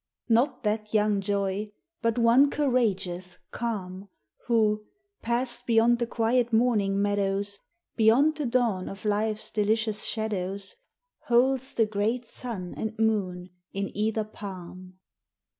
Not that young Joy, but one courageous, calm, Who passed beyond the quiet morning meadows Beyond the dawn of life's delicious shadows Holds the great sun and moon in either palm.